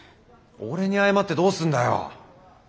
俺に謝ってどうすんだよ。